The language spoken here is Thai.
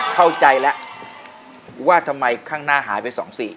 เข้าใจแล้วว่าทำไมข้างหน้าหายไป๒๔